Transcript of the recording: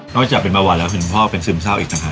นอกจากเป็นประวัติแล้วคุณพ่อเป็นซึมเศร้าอีกต่างหาก